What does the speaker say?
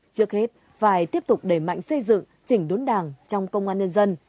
trước hết phải tiếp tục đẩy mạnh xây dựng chỉnh đốn đảng trong công an nhân dân